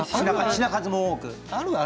品数も多くて。